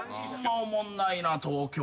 おもんないな東京。